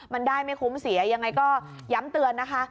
มันได้ไม่คุ้มเสียยังไงก็ย้ำเตือนนะคะ